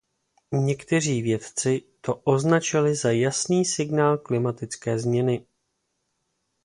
Někteří vědci „to označili za jasný signál klimatické změny“.